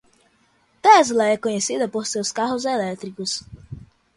Tesla é conhecida por seus carros elétricos.